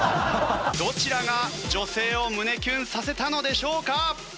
どちらが女性を胸キュンさせたのでしょうか？